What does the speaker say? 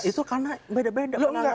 itu karena beda beda